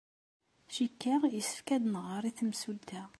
Cikkeɣ yessefk ad nɣer i temsulta.